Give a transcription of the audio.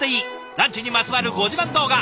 ランチにまつわるご自慢動画